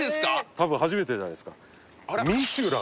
多分初めてじゃないですか？